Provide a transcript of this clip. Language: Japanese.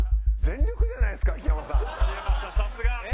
全力じゃないですか。